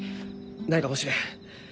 ないかもしれん。